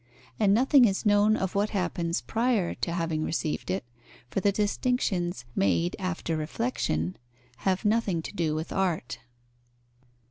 And nothing is known of what happens prior to having received it, for the distinctions made after reflexion have nothing to do with art.